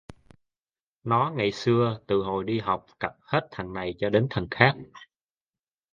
Nó ngày xưa Từ hồi đi họccặp hết thằng này cho đến thằng khác